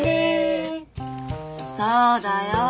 そうだよ。